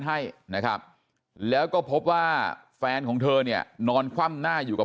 ให้นะครับแล้วก็พบว่าแฟนของเธอเนี่ยนอนคว่ำหน้าอยู่กับ